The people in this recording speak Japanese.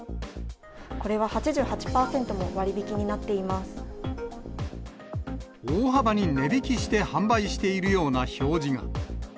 これは８８％も割引になって大幅に値引きして販売しているような表示が。